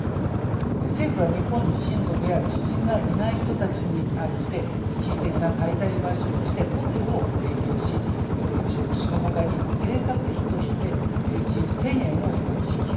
政府は日本に親族や知人がいない人たちに対して一時的な滞在場所としてホテルを提供し食事のほかに、生活費として１日１０００円を支給。